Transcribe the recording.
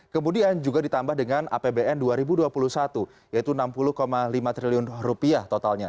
kemudian juga ditambah dengan apbn dua ribu dua puluh satu yaitu rp enam puluh lima triliun rupiah totalnya